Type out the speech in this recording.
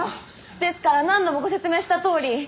ですから何度もご説明したとおり。